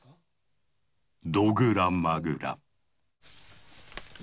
「ドグラ・マグラ」。